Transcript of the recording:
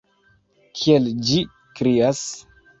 Kiel ĝi krias!